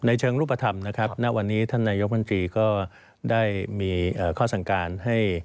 เชิงรูปธรรมนะครับณวันนี้ท่านนายกมนตรีก็ได้มีข้อสั่งการให้